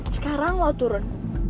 sekarang lo turun